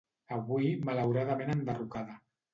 avui malauradament enderrocada